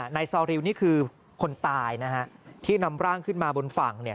ซอริวนี่คือคนตายนะฮะที่นำร่างขึ้นมาบนฝั่งเนี่ย